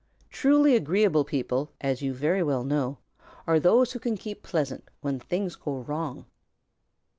Truly agreeable people, as you very well know, are those who can keep pleasant when things go wrong.